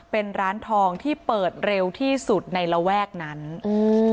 เป็นร้านทองที่เปิดเร็วที่สุดในระแวกนั้นอืม